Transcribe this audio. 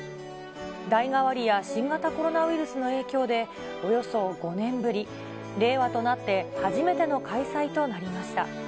代替わりや新型コロナウイルスの影響で、およそ５年ぶり、令和となって初めての開催となりました。